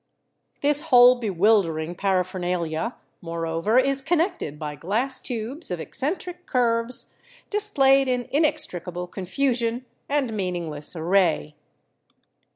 This whole bewildering paraphernalia, more over, is connected by glass tubes of eccentric curves, dis played in inextricable confusion and meaningless array.